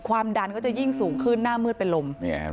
ความดันก็จะยิ่งสูงขึ้นหน้ามืดเป็นลม